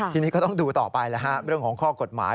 ทีนี้ก็ต้องดูต่อไปเรื่องของข้อกฎหมาย